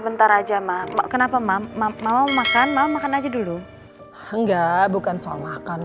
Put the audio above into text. sebentar aja ma kenapa ma ma mau makan ma makan aja dulu enggak bukan soal makan